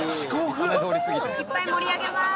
いっぱい盛り上げます。